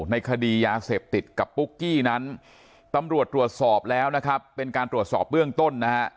ในคดียาเสพติดกับปุ๊กกี้นั้นตำรวจตรวจสอบแล้วนะครับเป็นการตรวจสอบเบื้องต้นนะฮะ